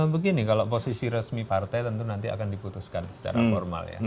begini kalau posisi resmi partai tentu nanti akan diputuskan secara formal ya